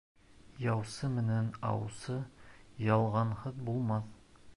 Яусы менән аусы ялғанһыҙ булмаҫ.